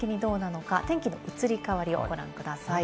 全国的にどうなのか、天気の移り変わりをご覧ください。